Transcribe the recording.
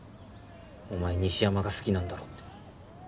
お前西山が好きなんだろって。